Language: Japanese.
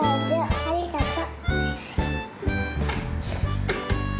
ありがとう。